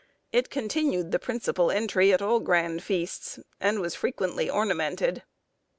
It continued the principal entry at all grand feasts, and was frequently ornamented.